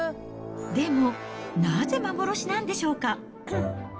でも、なぜ幻なんでしょうか。